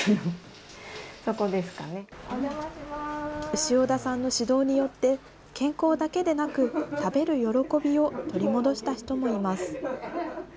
潮田さんの指導によって、健康だけでなく、食べる喜びを取り戻した人もいます。